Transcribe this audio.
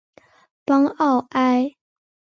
邦奥埃。